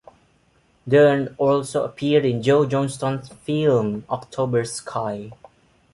Dern also appeared in Joe Johnston's film "October Sky".